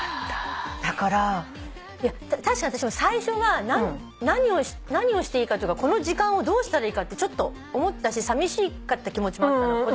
確かに私も最初は何をしていいかというかこの時間をどうしたらいいかってちょっと思ったしさみしかった気持ちもあったの。